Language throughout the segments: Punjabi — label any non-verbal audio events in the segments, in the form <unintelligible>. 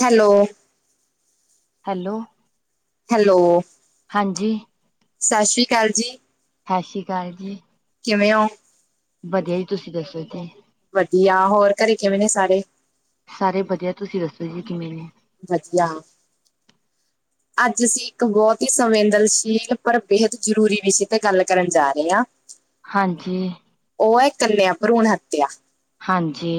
ਹੈਲੋ। ਹੈਲੋ। ਹੈਲੋ, ਸਾਸ੍ਰੀ ਕਾਲ ਜੀ। ਸਾ਼ਸੀ਼ ਕਾਲ ਜੀ। ਕਿਵੇਂ ਓ? ਬਦੀਆ ਜੀ, ਤੁਸੀਂ ਦੱਸੋ ਤੇ? ਵਦੀਆ, ਹੋਰ ਘਰੇ ਕਿਵੇਂ ਨੇ ਸਾਰੇ? ਸਾਰੇ ਬਦੀਆ ਤੁਸੀਂ ਦੱਸੋ ਜੀ ਕਿਵੇਂ ਨੇ? ਵਦੀਆ। ਅੱਜ ਅਸੀਂ ਇੱਕ ਬੋਤ ਈ ਸੰਵੇਦਨਸ਼ੀਲ ਪਰ ਬੇਹੱਦ ਜਰੂਰੀ ਵਿਸ਼ੇ ਤੇ ਗੱਲ ਕਰਨ ਜਾ ਰਏ ਆਂ। ਹਾਂਜੀ। ਓ ਐ ਕੰਨੇਆ ਭ੍ਰੂਣ ਹੱਤੇਆ। ਹਾਂਜੀ।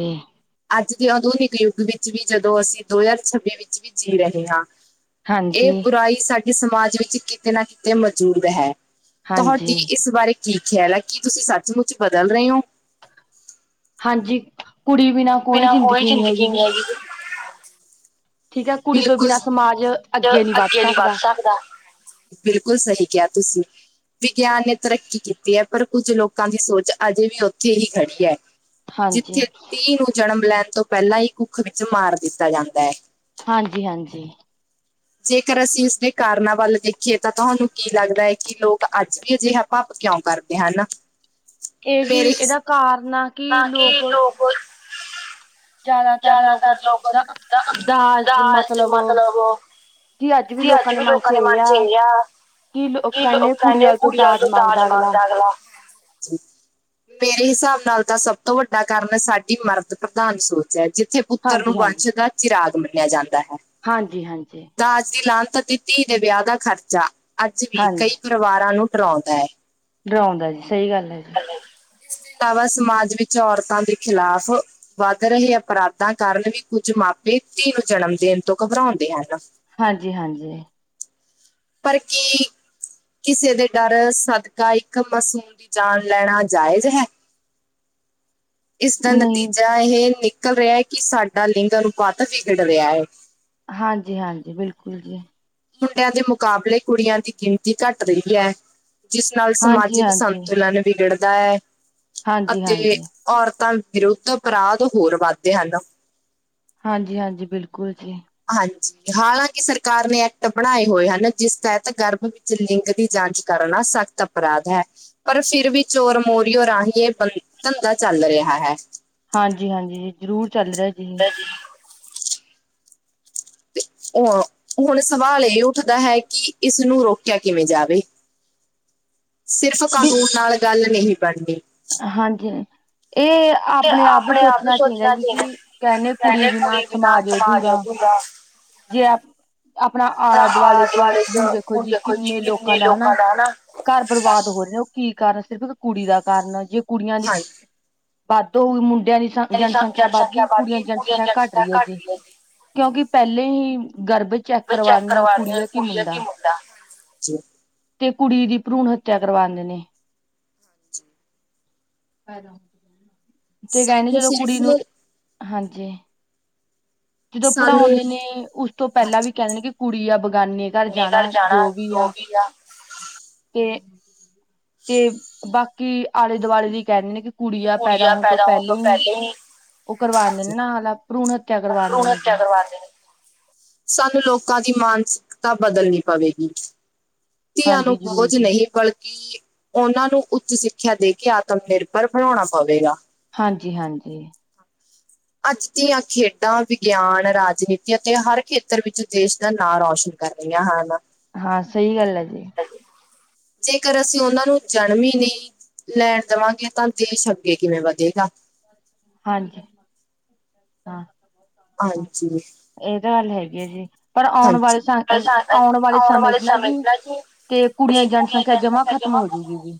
ਅੱਜ ਦੇ ਆਧੁਨਿਕ ਯੁੱਗ ਵਿੱਚ ਵੀ ਜਦੋਂ ਅਸੀਂ ਦੋ ਹਜ਼ਾਰ ਛੱਬੀ ਵਿੱਚ ਵੀ ਜੀ ਰਏ ਹਾਂ। ਏ ਬੁਰਾਈ ਸਾਡੇ ਸਮਾਜ ਵਿੱਚ ਕਿਤੇ ਨਾ ਕਿਤੇ ਮਜੂਦ ਹੈ। ਤੁਹਾਡੀ ਇਸ ਬਾਰੇ ਕੀ ਖਿਆਲ ਆ ਕੀ ਤੁਸੀਂ ਸੱਚਮੁੱਚ ਬਦਲ ਰਏ ਓਂ? ਹਾਂਜੀ, ਕੁੜੀ ਬਿਨਾ ਕੋਈ ਜਿਦਗੀ ਨੀ ਹੈਗੀ ਜੀ। ਬਿਲਕੁਲ, <unintelligible> ਅੱਗੇ ਨੀ ਵੱਦ ਸਕਦਾ। ਬਿਲਕੁਲ ਸਹੀ ਕਿਹਾ ਤੁਸੀਂ। ਵਿਗਿਆਨ ਨੇ ਤਰੱਕੀ ਕੀਤੀ ਐ ਪਰ ਕੁੱਝ ਲੋਕਾਂ ਦੀ ਸੋਚ ਅਜੇ ਵੀ ਓਥੇ ਈ ਖੜੀ ਐ। ਜਿੱਥੇ ਧੀਹ ਨੂੰ ਜਣਮ ਲੈਣ ਤੋਂ ਪੈਲਾਂ ਈ ਕੁੱਖ ਵਿੱਚ ਮਾਰ ਦਿੱਤਾ ਜਾਂਦੈ ਏ। ਹਾਂਜੀ-ਹਾਂਜੀ। ਜੇਕਰ ਅਸੀਂ ਇਸਦੇ ਕਾਰਨਾਂ ਵੱਲ ਦੇਖੀਏ ਤਾਂ ਤੁਹਾਨੂੰ ਕੀ ਲੱਗਦਾ ਐ ਕਿ ਲੋਕ ਅੱਜ ਵੀ ਅਜੇਹਾ। ਪਾਪ ਕੇਓਂ ਕਰਦੇ ਆ ਹਨਾ। ਕੇ ਜੀ ਏਦਾ ਕਾਰਨ ਆ ਤਾਂ ਏ ਲੋਕ ਜਾਦਾਤਰ ਲੋਕ, ਦਾਜ ਮਤਲਬ ਜੀ ਅੱਜ ਵੀ ਲੋਕਾਂ ਦੇ ਮਨ ਚ ਏ ਹਾਲ ਆ ਕੀ ਲੋਕਾ ਨੇ ਕੁੜੀਆਂ ਤੋਂ ਦਾਜ ਮਗਦਾ ਅਗਲਾ। ਮੇਰੇ ਹਿਸਾਬ ਨਾਲ ਤਾਂ ਸਭ ਤੋਂ ਵੱਡਾ ਕਾਰਨ ਆ ਸਾਡੀ ਮਰਦ ਪ੍ਰਧਾਨ ਸੋਚ। ਜੈ ਜਿੱਥੇ ਪੁੱਤਰ ਨੂੰ ਵੰਸ਼ ਦਾ ਚਿਰਾਗ ਮੰਨੇਆ ਜਾਂਦਾ ਹੈ। ਹਾਂਜੀ-ਹਾਂਜੀ। ਦਾਜ ਦੀ ਲਾਂਤਾ ਤਾ ਦਿਤੀ ਏਦੇ ਵੇਆ ਦਾ ਖਰਚਾ, ਅੱਜ ਵੀ ਕਈ ਪਰਿਵਾਰਾਂ ਨੂੰ ਡਰਾਊੰਦੈ। ਡਰਾਉਂਦਾ ਜੀ ਸਹੀ ਗੱਲ ਹੈ। ਵਾ-ਵਾ ਸਮਾਜ ਵਿੱਚ ਔਰਤਾਂ ਦੇ ਖਿਲਾਫ਼। ਵੱਧ ਰਹੇ ਅਪਰਾਧਾਂ ਕਾਰਨ ਵੀ ਕੁੱਝ ਮਾਪੇ ਧੀਆਂ ਨੂੰ ਜਨਮ ਦੇਨ ਤੋਂ ਘਬਰਾਉਂਦੇ ਹਨ। ਹਾਂਜੀ-ਹਾਂਜੀ। ਪਰ ਕੀ, ਕਿਸੇ ਦੇ ਡਰ ਸਦਕਾ ਇੱਕ ਮਾਸੂਮ ਦੀ। ਜਾਣ ਲੈਣਾ ਜਾਇਜ਼ ਹੈ। ਇਸਦਾ ਨਤੀਜਾ, ਇਹ ਨਿਕਲ ਰਿਹਾ ਹੈ ਕਿ ਸਾਡਾ ਲਿੰਗ ਅਨੁਪਾਤ ਵਿਗੜ ਰਿਹਾ ਐ। ਹਾਂਜੀ-ਹਾਂਜੀ ਬਿਲਕੁਲ ਜੀ। ਮੁੰਡਿਆਂ ਦੇ ਮੁਕਾਬਲੇ ਕੁੜੀਆਂ ਦੀ ਗਿਣਤੀ ਘੱਟ ਰਹੀ ਹੈ। ਜਿਸ ਨਾਲ ਸਮਾਜਿਕ ਸੰਤੁਲਨ ਵਿਗੜਦਾ ਹੈ। ਅਤੇ, ਔਰਤਾਂ ਵਿਰੁੱਧ ਅਪਰਾਧ ਹੋਰ ਵੱਧਦੇ ਹਨ। ਹਾਂਜੀ-ਹਾਂਜੀ ਬਿਲਕੁਲ ਜੀ। ਹਾਂਜੀ, ਹਾਲਾਂਕਿ ਸਰਕਾਰ ਨੇ ਏ, ਪਣਾਏ ਹੋਏ ਹਨ ਜਿਸ ਤਹਿਤ ਗਰਭ ਵਿੱਚ ਲਿੰਗ ਦੀ ਜਾਂਚ ਕਰਨਾ ਸਖਤ ਅਪਰਾਧ ਹੈ। ਪਰ ਫੇਰ ਵੀ ਚੋਰ ਮੋਰੀਓ ਰਾਹੀਂ ਇਹ ਬੰ ਧੰਦਾ ਚੱਲ ਰਿਹਾ ਹੈ। ਹਾਂਜੀ-ਹਾਂਜੀ ਜੀ ਜ਼ਰੂਰ ਚੱਲ ਰਿਹਾ ਜੀ। ਤੇ ਉਹ ਹੁਣ ਸਵਾਲ ਇਹ ਉੱਠਦਾ ਹੈ ਕਿ ਇਸਨੂੰ ਰੋਕਿਆ ਕਿਵੇਂ ਜਾਵੇ। ਸਿਰਫ਼ ਕਾਨੂੰਨ ਨਾਲ ਗੱਲ ਨਹੀਂ ਬਣਨੀ। ਹਾਂਜੀ, ਇਹ ਆਪਣੇ ਆਪ ਵੀ ਸੋਚਣਾ ਚਾਹੀਦਾ ਕਿ, ਕਿ ਕਹਿੰਦੇ ਕੁੜੀ ਬਿਨਾਂ ਸਮਾਜ ਅਧੂਰਾ। ਜੇ ਆਪ ਆਪਣਾ ਆਲਾ ਦੁਆਲੇ ਚ ਹੁਣ ਦੇਖੋ ਜੀ, ਕਿੰਨੇ ਲੋਕਾਂ ਦਾ ਹਨਾ। ਘਰ ਬਰਬਾਦ ਹੋ ਰਹੇ ਓ- ਕੀ ਕਾਰਨ ਸਿਰਫ ਇੱਕ ਕੁੜੀ ਦਾ ਕਾਰਨ ਜੇ ਕੁੜੀਆਂ ਦੀ ਵਾਧ ਹੋਊਗੀ ਮੁੰਡਿਆਂ ਦੀ। ਜਨਸੰਖਿਆ ਵੱਧ ਗਈ ਕੁੜੀਆਂ ਦੀ ਜਨਸੰਖਿਆ ਘੱਟ ਰਹੀ ਹੋ ਜੀ। ਕਿਉਂਕਿ ਪਹਿਲੇ ਹੀ ਗਰਬ ਚੈਕ ਕਰਵਾ ਰਹੀ ਕੁੜੀ ਆ ਕਿ ਮੁੰਡਾ। ਨਾ ਜੀ। ਤੇ ਕੁੜੀ ਦੀ ਭਰੂਣ ਹੱਤਿਆ ਕਰਵਾਉਂਦੇ ਨੇ। ਤੇ ਕਹਿਣਗੇ ਕੁੜੀ ਨੂੰ, ਹਾਂਜੀ। ਜਦੋਂ ਪੜਾਉਂਦੇ ਨੇ ਉਸ ਤੋਂ ਪਹਿਲਾਂ ਵੀ ਕਹਿੰਦੇ ਨੇ ਕਿ ਕੁੜੀ ਆ ਬਗਾਨੀ। ਘਰ ਜਾਣਾ ਜੋ ਵੀ ਆ। ਤੇ, ਤੇ ਬਾਕੀ ਆਲੇ ਦੁਆਲੇ ਵੀ ਕਹਿ ਦੇ ਨੇ ਕਿ। ਕੁੜੀਆਂ ਪੈਦਾ ਹੋਣ ਤੋਂ ਪਹਿਲੇ ਹੀ ਉਹ ਕਰਵਾ ਦੇਦੇ ਨੇ ਨਾ ਮਲਬ ਭਰੂਣ ਹੱਤਿਆ। ਭਰੂਣ ਹੱਤਿਆ ਕਰਵਾਦੇ ਨੇ। ਸਾਨੂੰ ਲੋਕਾਂ ਦੀ ਮਾਨਸਿਕਤਾ ਬਦਲਣੀ ਪਵੇਗੀ। ਧੀਆਂ ਨੂੰ ਬੋਝ ਨਹੀਂ, ਬਲਕਿ। ਉਹਨਾਂ ਨੂੰ ਉੱਚ ਸਿੱਖਿਆ ਦੇ ਕੇ ਆਤਮ ਨਿਰਭਰ ਬਣਾਉਣਾ ਪਵੇਗਾ। ਹਾਂਜੀ-ਹਾਂਜੀ। ਅੱਜ ਦੀਆਂ ਖੇਡਾਂ ਵਿਗਿਆਨ ਰਾਜਨੀਤੀ ਅਤੇ ਹਰ ਖੇਤਰ ਵਿੱਚ ਦੇਸ਼ ਦਾ ਨਾਂ ਰੋਸ਼ਨ ਕਰ ਰਹੀਆਂ ਹਾਂ ਨ। ਹਾਂ ਸਹੀ ਗੱਲ ਹੈ ਜੀ। ਜੇਕਰ ਅਸੀਂ ਉਹਨਾ ਨੂੰ ਜਨਮ ਹੀ ਨਹੀਂ ਲੈਣ ਦੇਵਾਂਗੇ ਤਾਂ ਦੇਸ਼ ਅੱਗੇ ਕਿਵੇਂ ਵਧੇਗਾ। ਹਾਂਜੀ। ਹਾਂ। ਹਾਂਜੀ। ਇਹ ਤਾਂ ਗੱਲ ਹੈਗੀ ਆ ਜੀ, ਪਰ ਆਉਣ ਵਾਲੇ, ਆਉਣ ਵਾਲੇ ਸਮੇਂ ਚ ਨਾ ਜੀ ਤੇ ਕੁੜੀਆਂ ਦੀ ਜਨਸੰਖਿਆ ਜਮਾ ਖਤਮ ਹੋਜੂਗੀ ਜੀ।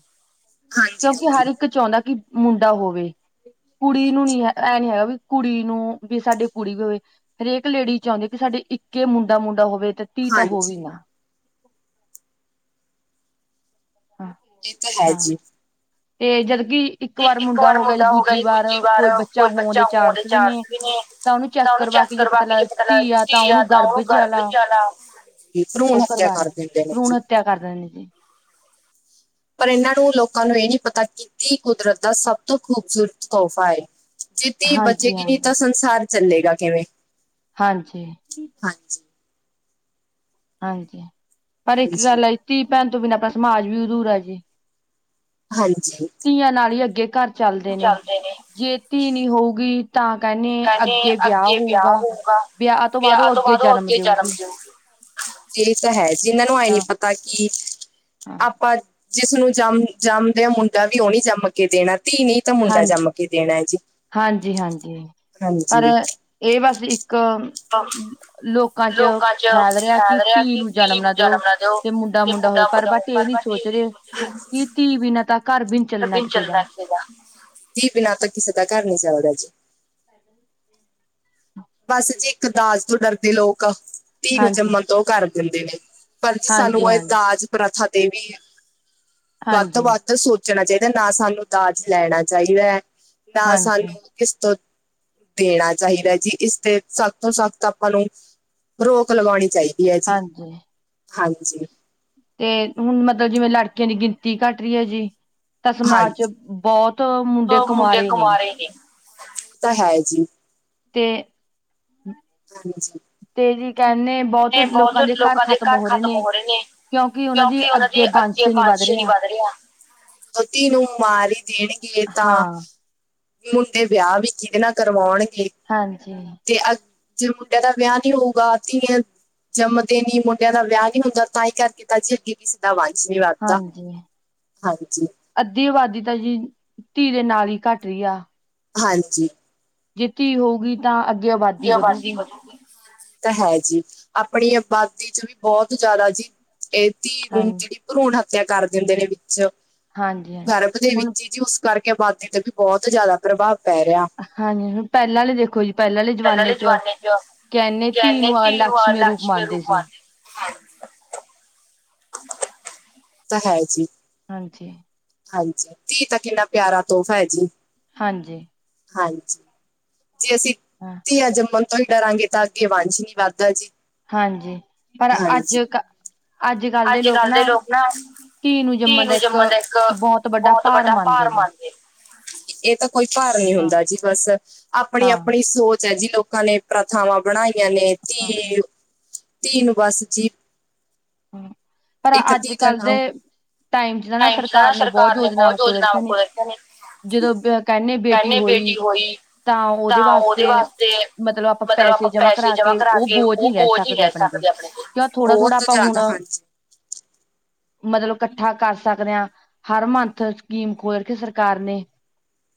ਹਾਂਜੀ- ਹਾਂਜੀ। ਇਕ ਚਾਹੁੰਦਾ ਕਿ ਮੁੰਡਾ ਹੋਵੇ, ਕੁੜੀ ਨੂੰ ਨੀ ਐ ਨੀ ਹੈ ਵੀ ਕੁੜੀ ਵੀ ਸਾਡੇ ਕੁੜੀ ਵੀ ਹੋਵੇ, ਹਰੇਕ ਲੇਡੀ ਚਾਹੁੰਦੀ ਕਿ ਸਾਡੇ ਇੱਕੇ ਮੁੰਡਾ -ਮੁੰਡਾ ਹੋਵੇ ਤੇ ਧੀ ਤਾਂ ਹੋਵੇ ਹੀ ਨਾ। ਇਹ ਤਾਂ ਹੈ, ਹਾਜੀ। ਤੇ ਜਦਕੀ ਇੱਕ ਵਾਰ ਮੁੰਡਾ ਹੋ ਗਿਆ, ਜੇ ਦੂਜੀ ਵਾਰ ਕੋਈ ਬੱਚਾ ਹੋਣ ਦੇ ਚਾਂਸ ਵੀ ਨੇ। ਤਾਂ ਉਨੂੰ ਚੈੱਕ ਕਰਵਾ ਕੇ ਜੇ ਪਤਾ ਲੱਗ ਧੀ ਆ ਤਾਂ ਉਹਨੂੰ ਗਰਬ ਚ ਆਲਾ ਕੀ ਭਰੂਣ ਹੱਤਿਆ ਕਰ ਦਿੰਦੇ ਨੇ। ਭਰੂਣ ਹੱਤਿਆ ਕਰ ਦਿੰਦੇ ਨੇ ਜੀ। ਪਰ ਇਹਨਾਂ ਨੂੰ ਲੋਕਾਂ ਨੂੰ ਇਹ ਨੀ ਪਤਾ ਕਿ ਧੀ ਕੁਦਰਤ ਦਾ ਸਭ ਤੋਂ ਖੂਬਸੂਰਤ ਤੋਹਫ਼ਾ ਹੈ। ਕੀ ਧੀ ਬਚੇਗੀ ਨੀ ਤਾਂ, ਸੰਸਾਰ ਚੱਲੇਗਾ ਕਿਵੇਂ। ਹਾਂਜੀ। ਹਾਂਜੀ। ਹਾਂਜੀ। ਪਰ ਇੱਕ ਗੱਲ ਐ, ਧੀ ਭੈਣ ਤੋਂ ਬਿਨਾਂ ਆਪਣਾ ਸਮਾਜ ਵੀ ਅਧੂਰਾ ਆ ਜੀ। ਹਾਂਜੀ। ਧੀਆਂ ਨਾਲ ਹੀ ਅੱਗੇ ਘਰ ਚੱਲਦੇ ਨੇ, ਜੇ ਧੀ ਨੀ ਹੋਊਗੀ ਤਾਂ ਕਹਿੰਨੇ, ਅੱਗੇ ਵਿਆਹ ਹੋਊਗਾ। ਵਿਆਹ ਤੋਂ ਬਾਦ ਉਹ ਅੱਗੇ ਜਨਮ ਦੇਊਗੀ। ਜੀ ਇਹ ਤਾਂ ਹੈ, ਜਿਹਨਾਂ ਨੂੰ ਇਹ ਨੀ ਪਤਾ ਕੀ ਆਪਾਂ ਜਿਸਨੂੰ ਜੰਮ ਜੰਮਦੇ ਆ ਮੁੰਡਾ ਵੀ ਉਨੇ ਜੰਮ ਕੇ ਦੇਣਾ, ਧੀ ਨੇ ਤਾਂ ਮੁੰਡਾ ਜੰਮ ਕੇ ਦੇਣਾ ਜੀ। ਹਾਂਜੀ -ਹਾਂਜੀ ਪਰ ਇਹ ਬਸ ਇੱਕ ਲੋਕਾਂ ਚ ਫੈਲ ਰਿਹਾ ਕਿ ਧੀ ਨੂੰ ਜਨਮ ਨਾ ਦਿਓ। ਤੇ ਮੁੰਡਾ -ਮੁੰਡਾ ਹੋਏ। ਪਰ ਬਟ ਇਹ ਨੀ ਸੋਚ ਰਹੇ ਕਿ ਧੀ ਬਿਨਾਂ ਤੱਕ ਚਲਣਾ ਚਾਹੀਦਾ, ਧੀ ਬਿਨਾਂ ਤਾਂ ਕਿਸੇ ਦਾ ਘਰ ਨੀ ਚੱਲਦਾ ਜੀ <unintelligible> ਬਸ ਇੱਕ ਦਾਜ ਤੋਂ ਡਰਦੇ ਲੋਕ, ਧੀ ਨੂੰ ਜੰਮਣ ਤੋਂ ਕਰ ਦਿੰਦੇ ਨੇ, ਪਰ ਜੀ ਸਾਨੂੰ ਐ ਦਾਜ ਪ੍ਰਥਾ ਤੇ ਵੀ ਵੱਧ ਤੋਂ ਵੱਧ ਸੋਚਣਾ ਚਾਹੀਦਾ, ਨਾ ਸਾਨੂੰ ਦਾਜ ਲੈਣਾ ਚਾਹੀਦਾ, ਨਾ ਸਾਨੂੰ ਕਿਸ ਤੋਂ ਦੇਣਾ ਚਾਹੀਦਾ ਜੀ, ਇਸ ਤੇ ਸਖ਼ਤ ਤੋਂ ਸਖ਼ਤ ਆਪਾਂ ਨੂੰ ਰੋਕ ਲਗਾਉਣੀ ਚਾਹੀ ਦੀ ਆ ਜੀ, ਹਾਂਜੀ। ਤੇ ਹੁਣ ਮਤਲਬ ਜਿਵੇਂ ਲੜਕੀਆਂ ਦੀ ਗਿਣਤੀ ਘੱਟ ਰਹੀ ਐ ਜੀ ਤਾਂ ਸਮਾਜ ਚ ਬਹੁਤ ਮੁੰਡੇ ਕਵਾਰੇ ਨੇ। ਓ ਤਾਂ ਹੈ ਜੀ। ਤੇ ਹਾਂਜੀ। ਤੇ ਜੀ ਕਹਿੰਨੇ ਇਹ ਬਹੁਤ ਲੋਕਾਂ ਦੇ ਘਰ ਖਤਮ ਹੋ ਰਹੇ ਨੇ। ਕਿਉਂਕਿ ਉਹਨਾਂ ਦੇ ਅੱਗੇ ਵੰਸ਼ ਨੀ ਵੱਧ ਰਿਹਾ। ਪਤੀ ਨੂੰ ਮਾਰ ਹੀ ਦੇਣਗੇ ਤਾਂ ਮੁੰਡੇ ਵਿਆਹ ਵੀ ਕਿਹਦੇ ਨਾਲ ਕਰਵਾਉਣਗੇ? ਹਾਂਜੀ। ਤੇ ਅ ਜੇ ਮੁੰਡੇ ਦਾ ਵਿਆਹ ਨੀ ਹੋਊਗਾ ਧੀਆਂ ਜੰਮਦੇ ਨੀ ਮੁੰਡਿਆਂ ਦਾ ਵਿਆਹ ਨੀ ਹੁੰਦਾ, ਤਾਂ ਹੀ ਕਰਕੇ <unintelligible> ਅੱਗੇ ਵੀ ਸੀ ਤਾਹੀ ਤਾ ਵੰਸ਼ਨੀ ਵੱਧਦਾ ਹਾਂਜੀ। ਅੱਧੀ ਅਬਾਦੀ ਤਾਂ ਜੀ ਧੀ ਦੇ ਨਾਲ ਹੀ ਘੱਟ ਰਹੀ ਆ। ਹਾਂਜੀ। ਜੇ ਧੀ ਹੋਊਗੀ, ਤਾਂ ਅੱਗੇ ਆਬਾਦੀ ਵਧੂਗੀ। ਤਾਂ ਹੈ ਜੀ ਆਪਣੀ ਆਬਾਦੀ ਚ ਵੀ ਬਹੁਤ ਜ਼ਿਆਦਾ ਜੀ, ਇਹ ਧੀ ਨੂੰ ਜਿਹੜੀ ਭਰੂਣ ਹੱਤਿਆ ਕਰ ਦਿੰਦੇ ਨੇ ਵਿੱਚ, ਗਰਭ ਦੇ ਵਿੱਚ ਹੀ ਜੀ ਉਸ ਕਰਕੇ ਆਬਾਦੀ ਤੇ ਵੀ ਬਹੁਤ ਜ਼ਿਆਦਾ ਪ੍ਰਭਾਵ ਪੈ ਰਿਹਾ। ਹਾਂਜੀ, ਹੁਣ ਪਹਿਲਾਂ ਆਲੇ ਦੇਖੋ ਜੀ ਪਹਿਲਾਂ ਆਲੇ ਜ਼ਮਾਨੇ ਚ, ਕਹਿੰਨੇ ਧੀ ਨੂੰ ਵ ਲਕਸ਼ਮੀ ਰੂਪ ਮੰਨਦੇ ਸੀ <unintelligible> ਓ ਤਾਂ ਹੈ ਜੀ। ਹਾਂਜੀ। ਹਾਂਜੀ, ਧੀ ਤਾਂ ਕਿੰਨਾ ਪਿਆਰਾ ਤੋਹਫ਼ਾ ਹੈ ਜੀ। ਹਾਂਜੀ। ਹਾਂਜੀ। ਜੇ ਅਸੀਂ ਹਾਂ ਧੀਆਂ ਜੰਮਣ ਤੋਂ ਹੀ ਡਰਾਂਗੇ, ਤਾਂ ਅੱਗੇ ਵੰਸ਼ ਨੀ ਵੱਧਦਾ ਜੀ। ਹਾਂਜੀ, ਪਰ ਅੱਜ ਕ ਅੱਜ-ਕੱਲ ਦੇ ਲੋਕ ਨਾ ਧੀ ਨੂੰ ਜੰਮਣ ਦਾ ਇੱਕ ਬਹੁਤ ਵੱਡਾ ਭਾਰ ਮੰਨਦੇ ਇਹ ਤਾਂ ਕੋਈ ਭਾਰ ਨਹੀਂ ਹੁੰਦਾ ਜੀ, ਬਸ ਆਪਣੀ- ਆਪਣੀ ਸੋਚ ਹੈ ਜੀ, ਲੋਕਾਂ ਨੇ ਪ੍ਰਥਾਵਾਂ ਬਣਾਈਆਂ ਨੇ, ਧੀ-ਧੀ ਨੂੰ ਬਸ ਜੀ ਪਰ ਅੱਜ- ਕੱਲ੍ਹ ਦੇ ਟਾਈਮ ਚਨਾ ਸਰਕਾਰ ਨੇ ਬਹੁਤ ਯੋਜਨਾਵਾਂ ਖੋਲ ਰੱਖਿਆ ਨੇ। ਜਦੋਂ ਕਹਿੰਦੇ ਬੇਟੀ ਹੋਈ ਤਾਂ ਉਹਦੇ ਵਾਸਤੇ ਮਤਲਬ ਆਪਾਂ ਪੈਸੇ ਜਮਾ ਕਰਾ ਕੇ, ਉਹ ਬੋਝ ਨਹੀਂ ਰਹਿ ਸਕਦੇ ਆਪਣੇ ਤੇ। ਜਾਂ ਥੋੜਾ- ਥੋੜ੍ਹਾ ਆਪਾਂ ਹੁਣ ਮਤਲਬ ਇਕੱਠਾ ਕਰ ਸਕਦੇ ਹਾਂ, ਹਰ ਮੰਥ ਸਕੀਮ ਖੋਲ ਰੱਖੀ ਐ ਸਰਕਾਰ ਨੇ।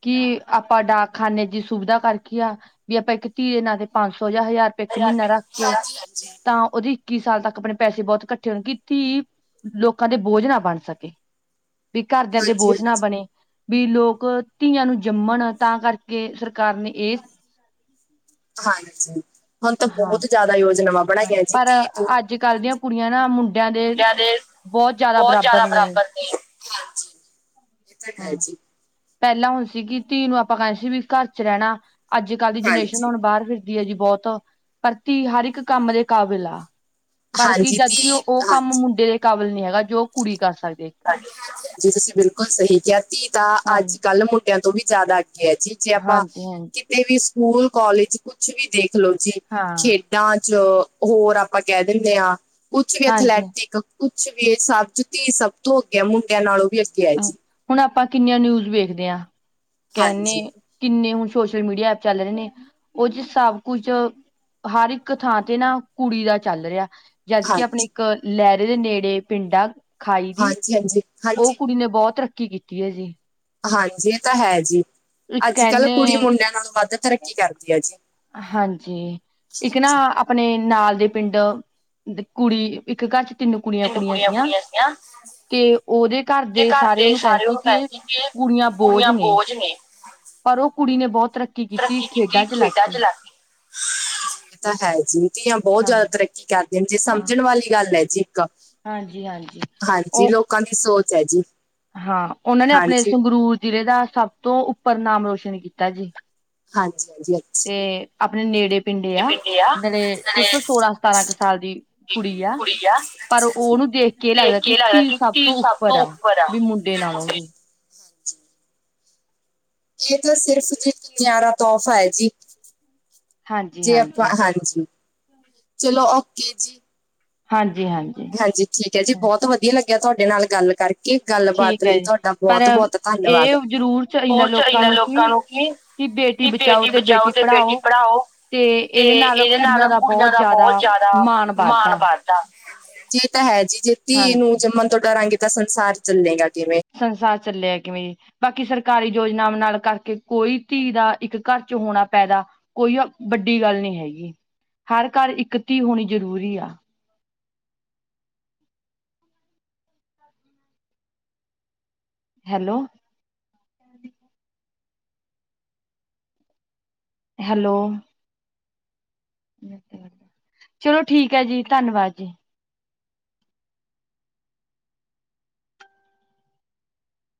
ਕੀ ਆਪਾਂ ਡਾਕਖਾਨੇ ਦੀ ਸੁਵਿਧਾ ਕਰ ਰੱਖੀ ਆ ਵੀ ਆਪਾਂ ਇੱਕ ਧੀ ਦੇ ਨਾਂ ਤੇ ਪੰਜ ਸੌ ਜਾਂ ਹਜ਼ਾਰ ਰੁਪਏ ਇੱਕ ਮਹੀਨਾ ਰੱਖ ਕੇ, ਤਾਂ ਉਹਦੀ ਇੱਕੀ ਸਾਲ ਤੱਕ ਆਪਣੇ ਪੈਸੇ ਬਹੁਤ ਇਕੱਠੇ ਹੋਣ, ਕਿ ਧੀ ਲੋਕਾਂ ਦੇ ਬੋਝ ਨਾ ਬਣ ਸਕੇ। ਵੀ ਘਰਦਿਆਂ ਦੇ ਬੋਝ ਨਾ ਬਣੇ ਬਈ ਲੋਕ ਧੀਆਂ ਨੂੰ ਜੰਮਣ, ਤਾਂ ਕਰਕੇ ਸਰਕਾਰ ਨੇ ਇਹ ਹਾਂਜੀ, ਹੁਣ ਤਾਂ ਬਹੁਤ ਜਿਆਦਾ ਯੋਜਨਾਵਾਂ ਬਣਾਈਆਂ ਜੀ, ਧੀ ਤ ਅੱਜ-ਕੱਲ੍ਹ ਦੀਆਂ ਕੁੜੀਆਂ ਨਾ ਮੁੰਡਿਆਂ ਦੇ ਬਹੁਤ ਜ਼ਿਆਦਾ ਬਰਾਬਰ ਨੇ। ਇਹ ਤਾਂ ਹੈ ਜੀ। ਪਹਿਲਾਂ ਹੁਣ ਸੀ ਕਿ ਧੀ ਨੂੰ ਆਪਾਂ ਕਹਿੰਦੇ ਸੀ ਵੀ ਘਰ ਚ ਰਹਿਣਾ, ਅੱਜ-ਕੱਲ੍ਹ ਦੀ ਜਨਰੇਸ਼ਨ ਹੁਣ ਬਾਹਰ ਫਿਰ ਦੀ ਹੈ ਜੀ ਬਹੁਤ, ਪਰ ਧੀ ਹਰ ਇੱਕ ਕੰਮ ਦੇ ਕਾਬਿਲ ਆ। ਪਰ ਕੀ ਜਦਕਿ ਉਹ ਕੰਮ ਮੁੰਡੇ ਦੇ ਕਾਬਲ ਨੀ ਹੈਗਾ, ਜੋ ਕੁੜੀ ਕਰ ਸਕਦੇ ਇੱਕ ਹਾਂਜੀ, ਤੁਸੀਂ ਬਿਲਕੁਲ ਸਹੀ ਕਿਹਾ, ਧੀ ਤਾਂ ਅੱਜ- ਕੱਲ ਮੁੰਡਿਆਂ ਤੋਂ ਵੀ ਜਿਆਦਾ ਅੱਗੇ ਹੈ ਜੀ। ਜੇ ਆਪਾਂ ਕਿਤੇ ਵੀ ਸਕੂਲ- ਕਾਲਜ ਕੁਛ ਵੀ ਦੇਖਲੋ ਜੀ ਖੇਡ ਖੇਤਾਂ ਚ ਹੋਰ ਆਪਾਂ ਕਹਿ ਦਿੰਦੇ ਹਾਂ, ਕੁਥ ਵੀ ਅਥਲੈਟਿਕ ਕੁੱਛ ਵੀ ਏਹ ਸਬ ਚ ਧੀ ਸਭ ਤੋਂ ਅੱਗੇ ਮੁੰਡਿਆਂ ਨਾਲੋਂ ਵੀ ਅੱਗੇ ਹੈ ਜੀ ਹੁਣ ਆਪਾਂ ਕਿੰਨੀਆਂ ਨਿਊਜ ਵੇਖਦੇ ਆਂ, ਕੈਹੰਨੇ ਕਿੰਨੇ ਹੁਣ ਸੋਸ਼ਲ ਮੀਡੀਆ ਐਪ ਚੱਲ ਰਏ ਨੇ, ਓਹ ਚ ਸਭ ਕੁਛ ਹਰ ਇੱਕ ਥਾਂ ਤੇ ਨਾ ਕੁੜੀ ਦਾ ਚੱਲ ਰੇਆ। ਜਦਕਿ ਆਪਣੇ ਇਕ ਲੈਹਰੇ ਦੇ ਨੇੜੇ ਪਿੰਡਾਂ ਆਂ। ਹਾਂਜੀ-ਹਾਂਜੀ। ਓਹ ਕੁੜੀ ਨੇ ਬਹੁਤ ਤਰੱਕੀ ਕੀਤੀ ਐ ਜੀ। ਹਾਂਜੀ ਏਹ ਤਾਂ ਹੈ ਜੀ, ਅੱਜ-ਕੱਲ ਕੁੜੀ ਮੁੰਡਿਆਂ ਨਾਲੋਂ ਵੱਧ ਤਰੱਕੀ ਕਰਦੀ ਐ ਜੀ। ਹਾਂਜੀ ਇੱਕ ਨਾ ਆਪਣੇ ਨਾਲ ਦੇ ਪਿੰਡ, ਕੁੜੀ ਇੱਕ ਘਰ ਚ ਤਿੰਨ ਕੁੜੀਆਂ-ਕੁੜੀਆਂ ਸੀਆਂ। ਤੇ ਓਹਦੇ ਘਰ ਦੇ ਸਾਰੇ ਓਹਨੂੰ ਕਹਿੰਦੇ ਸੀ ਕਿ, ਕੁੜੀਆਂ ਬੋਝ ਨੇ। ਪਰ ਓਹ ਕੁੜੀ ਨੇ ਬਹੁਤ ਤਰੱਕ ਤਰੱਕੀ ਕੀਤੀ ਖੇਡਾਂ ਚ ਲੱਗ ਗੀ। ਤਾਂ ਹੈ ਜੀ ਧੀਆਂ ਬਹੁਤ ਜਿਆਦਾ ਤਰੱਕੀ ਕਰਦੀਅਨ, ਜੇ ਸਮਝਣ ਵਾਲੀ ਗੱਲ ਐ ਜੀ। ਕ। ਹਾਂਜੀ-ਹਾਂਜੀ ਓ ਲੋਕਾਂ ਦੀ ਸੋਚ ਐ ਜੀ। ਹਾਂ ਓਨਾਂ ਨੇ ਆਪਣੇ ਸੰਗਰੂਰ ਜ਼ਿਲੇ ਦਾ ਸਭ ਤੋਂ ਉੱਪਰ ਨਾਮ ਰੋਸ਼ਨ ਕੀਤਾ ਜੀ। ਹਾਂਜੀ-ਹਾਂਜੀ। ਤੇ। ਆਪਣੇ ਨੇੜੇ ਪਿੰਡੇ ਆ, ਜੜੇ ਸਿਰਫ ਸੋਲਾਂ-ਸਤਾਰਾਂ ਕੁ ਸਾਲ ਦੀ, ਕੁੜੀ ਆ। ਕੁਈਆ। ਪਰ ਓਹਨੂੰ ਦੇਖ ਕੇ ਏਹ ਲੱਗਦਾ ਕਿ ਧੀ ਸਭ ਤੋਂ ਉੱਪਰ ਆ ਵੀ ਮੁੰਡੇ ਨਾਲੋਂ ਵੀ। ਏਹ ਤਾਂ ਸਿਰਫ ਜੇ ਨਿਆਰਾ ਤੋਹਫ਼ਾ ਹੈ ਜੀ। ਜੇ ਆਪਾਂ ਹਾਂਜੀ, ਚਲੋ ਓਕੇ ਜੀ। ਹਾਂਜੀ-ਹਾਂਜੀ। ਹਾਂਜੀ ਠੀਕ ਐ ਜੀ ਬਹੁਤ ਵਦੀਆ ਲੱਗੇਆ ਤੁਹਾਡੇ ਨਾਲ ਗੱਲ ਕਰਕੇ। ਕੀ ਗੱਲਬਾਤ ਲਈ ਤੁਹਾਡਾ ਬਹੁਤ-ਬਹੁਤ ਧੰਨਵਾਦ, ਹੋਰ ਚਾਹੀਦਾ ਲੋਕਾਂ ਨੂੰ ਕੀ। ਕਿ ਬੇਟੀ ਬਚਾਓ ਤੇ ਬੇਟੀ ਪੜ੍ਹਾਓ। ਤੇ ਇਹਦੇ ਨਾਲ ਕੁੜੀਆਂ ਦਾ ਬਹੁਤ ਜ਼ਿਆਦਾ ਮਾਣ ਕਰ। ਜੇ ਤਾਂ ਹੈ ਜੀ ਜੇ ਧੀ ਨੂੰ ਜੰਮਣ ਤੋਂ ਡਰਾਂਗੇ ਤਾਂ ਸੰਸਾਰ ਚੱਲੇਗਾ ਕਿਵੇਂ। ਸੰਸਾਰ ਚੱਲੇਆ ਕਿਵੇਂ। ਬਾਕੀ ਸਰਕਾਰੀ ਯੋਜਨਾਵਾ ਨਾਲ ਕਰਕੇ ਕੋਈ ਧੀ ਦਾ ਇੱਕ ਘਰ ਚ ਹੋਣਾ ਪੈਦਾ ਕੋਈ ਵੱਡੀ ਗੱਲ ਨੀ ਹੈਗੀ, ਹਰ ਘਰ ਇੱਕ ਧੀ ਹੋਣੀ ਜ਼ਰੂਰੀ ਆ। ਹੈਲੋ। ਹੈਲੋ। ਚਲੋ ਠੀਕ ਐ ਜੀ ਧੰਨਵਾਦ ਜੀ।